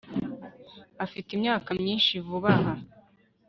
Afite imyaka myinshi vuba aha